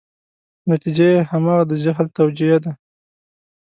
نتیجه یې همغه د جهل توجیه ده.